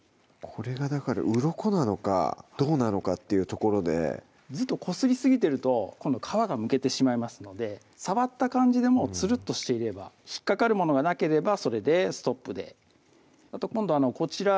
これがだからうろこなのかどうなのかっていう所でずっとこすりすぎてると今度皮がむけてしまいますので触った感じでもうつるっとしていれば引っ掛かるものがなければそれでストップで今度こちら